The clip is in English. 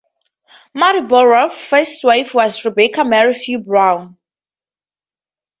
Marlborough's first wife was Rebecca Mary Few Brown.